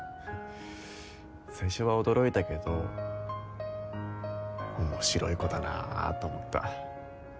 最初は驚いたけど面白い子だなぁと思った。